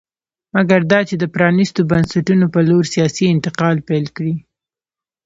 مګر دا چې د پرانېستو بنسټونو په لور سیاسي انتقال پیل کړي